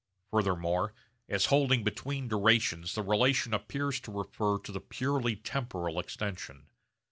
Furthermore as holding between durations the relation appears to refer to the purely temporal extension.